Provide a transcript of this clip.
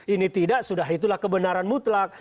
ini tidak sudah itulah kebenaran mutlak